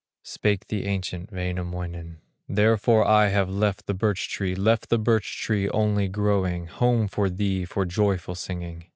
Spake the ancient Wainamoinen: "Therefore I have left the birch tree, Left the birch tree only growing, Home for thee for joyful singing.